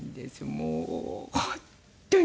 もう本当に。